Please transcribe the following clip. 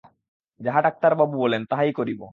যাহা ডাক্তারবাবু বলেন, তাহাই করিব।